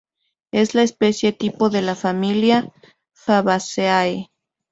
Es la especie tipo de la familia Fabaceae.